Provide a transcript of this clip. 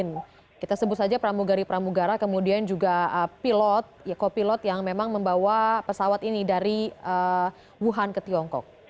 ini juga berlaku bagi kru kabin kita sebut saja pramugari pramugara kemudian juga pilot jako pilot yang memang membawa pesawat ini dari wuhan ke tiongkok